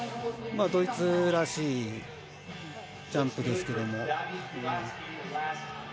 ドイツらしいジャンプですけども。